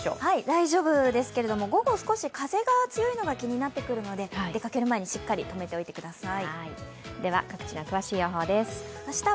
大丈夫ですけれども、午後、少し風が強いのが気になってくるので出かける前にしっかり止めておいてください。